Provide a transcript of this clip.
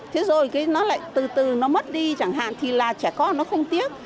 thế rồi nó lại từ từ nó mất đi chẳng hạn thì là trẻ con nó không tiếc